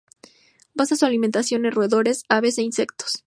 Basa su alimentación en roedores, aves e insectos.